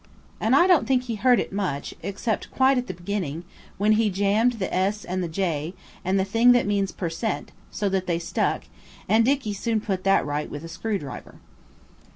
And I don't think he hurt it much, except quite at the beginning, when he jammed the "S" and the "J" and the thing that means per cent. so that they stuck–and Dicky soon put that right with a screwdriver.